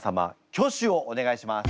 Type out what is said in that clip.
挙手をお願いします。